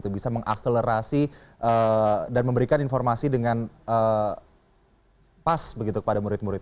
bisa mengakselerasi dan memberikan informasi dengan pas begitu kepada murid murid